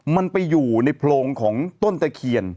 มันไปอยู่ในโพรงของต้นตะเคียน